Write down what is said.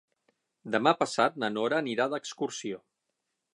Demà passat na Nora anirà d'excursió.